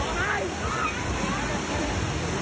ไปไปไป